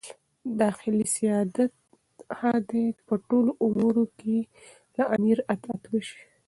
داخلي سیادت هغه دئ، چي په ټولو امورو کښي د امیر اطاعت وسي.